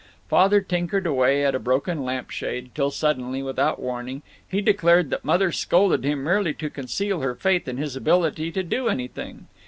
Father tinkered away at a broken lamp shade till suddenly, without warning, he declared that Mother scolded him merely to conceal her faith in his ability to do anything.